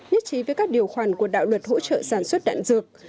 nhất trí với các điều khoản của đạo luật hỗ trợ sản xuất đạn dược